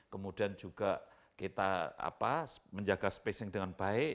kemudian juga kita menjaga spacing dengan baik